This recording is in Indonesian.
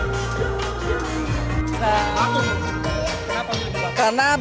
setelah itu mereka pun harus kembali ke daerah asal